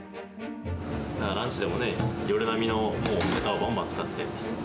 ランチでも夜並みのネタをばんばん使って。